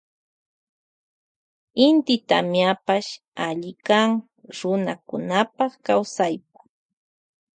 Inti tamiapash allikan runakunapa kawsaypa.